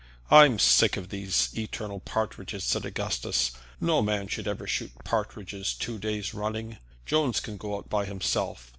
"I'm sick of these eternal partridges," said Augustus. "No man should ever shoot partridges two days running. Jones can go out by himself.